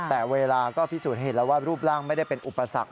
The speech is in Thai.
แต่เวลาก็พิสูจน์เห็นแล้วว่ารูปร่างไม่ได้เป็นอุปสรรค